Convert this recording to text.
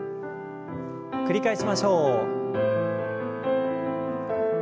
繰り返しましょう。